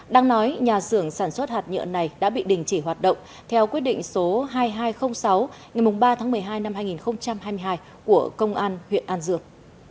đang nói nhà xưởng sản xuất hạt nhựa này đã bị đình chỉ hoạt động theo quyết định số hai nghìn hai trăm linh sáu ngày ba tháng một mươi hai năm hai nghìn hai mươi hai của công an huyện an dương